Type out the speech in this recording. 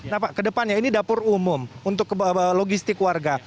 nah pak kedepannya ini dapur umum untuk logistik warga